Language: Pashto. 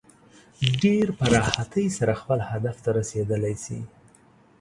ډېر په راحتۍ سره خپل هدف ته رسېدلی شي.